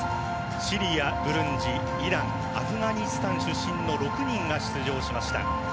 シリア、ブルンジイラン、アフガニスタン出身の６人が出場しました。